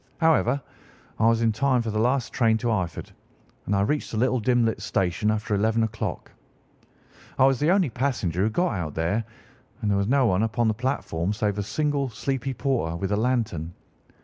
However, I was in time for the last train to Eyford, and I reached the little dim lit station after eleven o'clock. I was the only passenger who got out there, and there was no one upon the platform save a single sleepy porter with a lantern.